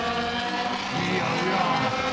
気合うやん！